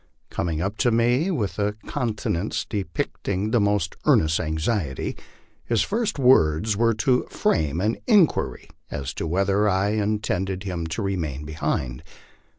Coming up to me, with a countenance depicting the most earnest anxiety, his first words were to frame an inquiry as to whether I in tended him to remain behind.